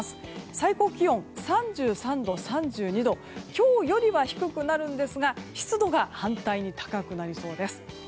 最高気温３３度、３２度今日よりは低くなるんですが湿度が反対に高くなりそうです。